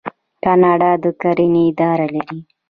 کاناډا د کرنې اداره لري.